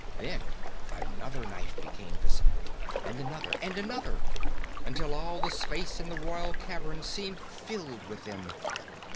Then another knife became visible and another and another until all the space in the royal cavern seemed filled with them.